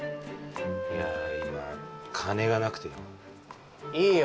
いや今金がなくていいよ